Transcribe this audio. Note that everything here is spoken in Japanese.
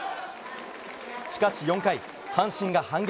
しかし４回、阪神が反撃。